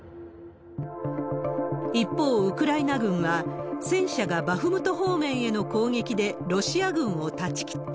一方、ウクライナ軍は戦車がバフムト方面への攻撃で、ロシア軍を断ち切った。